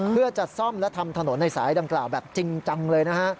เพื่อจะซ่อมและทำถนนในสายดังกล่าวแบบจริงจังเลยนะฮะ